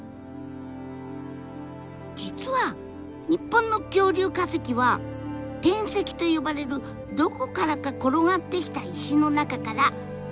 実は日本の恐竜化石は転石と呼ばれるどこからか転がってきた石の中から見つかることがほとんど。